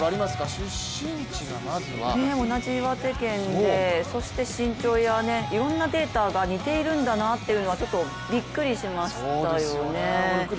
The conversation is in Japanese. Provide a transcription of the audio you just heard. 出身地がまずは同じ岩手県でそして、身長やいろんなデータが似ているんだなというのはびっくりしましたね。